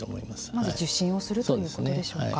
まず受診をするということでしょうか。